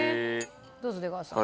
どうぞ出川さん。